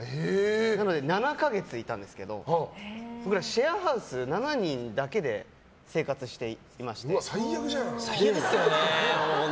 なので、７か月いたんですけど僕ら、シェアハウス７人だけで生活していまして。